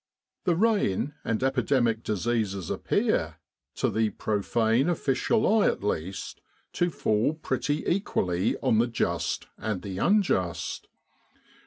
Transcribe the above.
The rain and epidemic diseases appear, to the profane official eye at least, to fall pretty equally on the just and the unjust.